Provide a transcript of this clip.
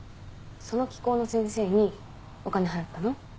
その気功の先生にお金払ったの？